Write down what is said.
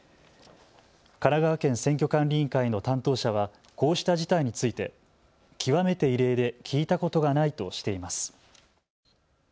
神奈川県選挙管理委員会の担当者はこうした事態について極めて異例で聞いたことがないとしています。